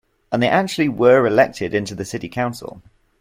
And they actually were elected into the city council.